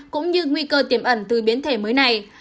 cũng như nguy cơ tiềm ẩn từ biến thể mới này